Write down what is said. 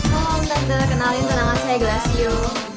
halo om tante kenalin tenaga saya gulasio